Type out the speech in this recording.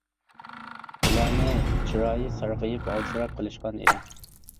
ئۇلارنى چىرايى سارغىيىپ ھالسىراپ قېلىشقان ئىدى.